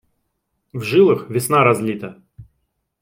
В жилах весна разлита.